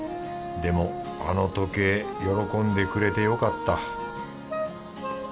でもあの時計喜んでくれてよかった。